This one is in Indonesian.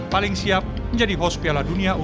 paling siap menjadi host piala dunia u dua puluh